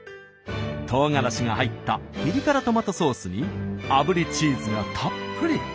唐辛子が入ったピリ辛トマトソースにあぶりチーズがたっぷり！